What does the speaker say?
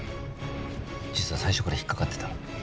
実は最初から引っかかってた。